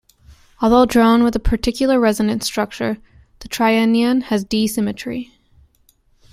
Although drawn with a particular resonance structure, the trianion has D symmetry.